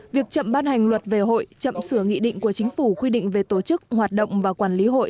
việc chậm ban hành luật về hội chậm sửa nghị định của chính phủ quy định về tổ chức hoạt động và quản lý hội